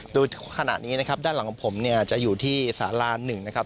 ดูขณะนี้นะครับด้านหลังของผมจะอยู่ที่ศาลา๑นะครับ